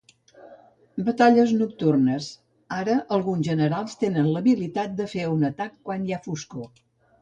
Batalles nocturnes: ara alguns generals tenen l'habilitat de fer un atac quan hi ha foscor.